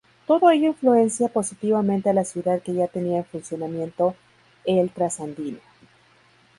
Todo ello influencia positivamente a la ciudad que ya tenía en funcionamiento el Trasandino.